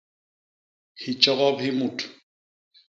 Hitjogop hi mut.